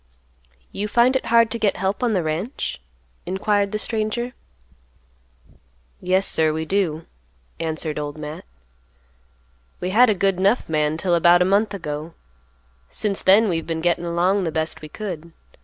"You find it hard to get help on the ranch?" inquired the stranger. "Yes, sir, we do," answered Old Matt. "We had a good 'nough man 'till about a month ago; since then we've been gettin' along the best we could.